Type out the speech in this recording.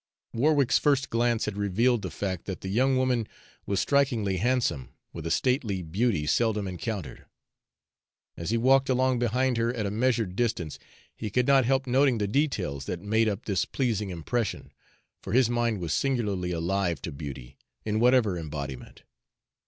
Warwick's first glance had revealed the fact that the young woman was strikingly handsome, with a stately beauty seldom encountered. As he walked along behind her at a measured distance, he could not help noting the details that made up this pleasing impression, for his mind was singularly alive to beauty, in whatever embodiment.